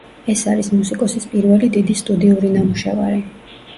ეს არის მუსიკოსის პირველი დიდი სტუდიური ნამუშევარი.